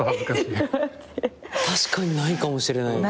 確かにないかもしれないです。